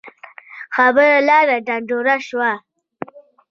خبره لاړه ډنډوره شوه.